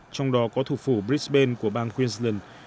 trong đó có thủ phủ brisbane của bang queensland